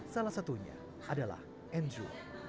salah satunya adalah andrew